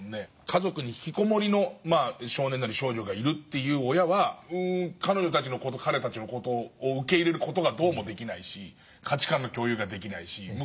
家族に引きこもりの少年なり少女がいるという親は彼女たちの事彼たちの事を受け入れる事がどうもできないし価値観の共有ができないし。